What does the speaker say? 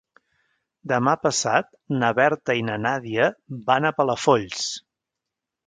Demà passat na Berta i na Nàdia van a Palafolls.